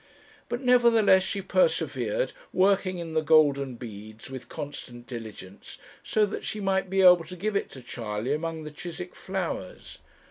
But, nevertheless, she persevered, working in the golden beads with constant diligence, so that she might be able to give it to Charley among the Chiswick flowers.